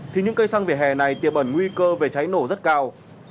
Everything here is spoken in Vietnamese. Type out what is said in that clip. thì những cây xăng về hè này tiềm ẩn nguy cơ về cháy nổ rất cao